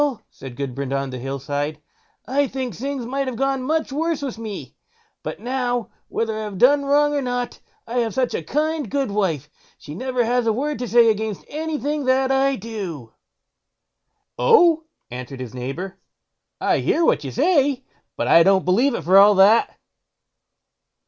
said Gudbrand on the Hill side, "I think things might have gone much worse with me; but now, whether I have done wrong or not, I have so kind a goodwife, she never has a word to say against anything that I do." "Oh!" answered his neighbour, "I hear what you say, but I don't believe it for all that."